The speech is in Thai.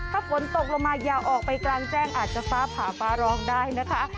ถ้าฝนตกลงมาอย่าออกไปกลางแจ้งอาจจะฟ้าผ่าฟ้าร้องได้นะคะ